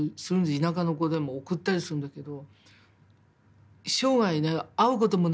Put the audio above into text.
田舎の子でも送ったりするんだけど。